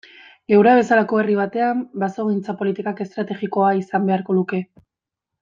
Geurea bezalako herri batean basogintza politikak estrategikoa izan beharko luke.